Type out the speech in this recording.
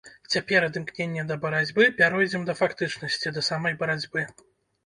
Цяпер ад імкнення да барацьбы пяройдзем да фактычнасці, да самай барацьбы.